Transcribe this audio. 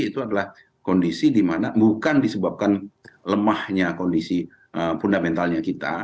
itu adalah kondisi di mana bukan disebabkan lemahnya kondisi fundamentalnya kita